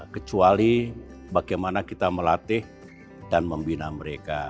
kecuali bagaimana kita melatih dan membina mereka